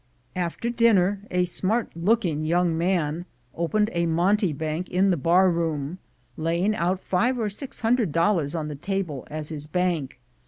After dinner a smart looking young gentleman 172 THE GOLD HUNTERS opened a monte bank in the bar room, laying out five or six hundred dollars on the table as his bank.